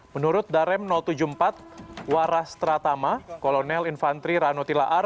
menurut darem tujuh puluh empat waras tratama kolonel infantri ranotilaar